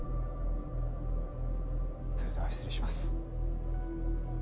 それでは失礼します。